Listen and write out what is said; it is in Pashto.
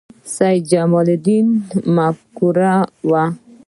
سید جمال الدین مفکر و